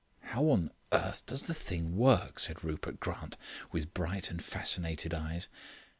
"How on earth does the thing work?" asked Rupert Grant, with bright and fascinated eyes.